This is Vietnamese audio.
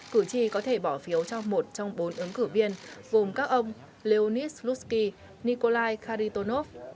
cử tri có thể bỏ phiếu trong một trong bốn ứng cử viên gồm các ông leonid slutsky nikolai kharitonov